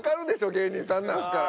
芸人さんなんですから。